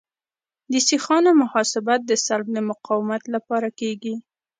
د سیخانو محاسبه د سلب د مقاومت لپاره کیږي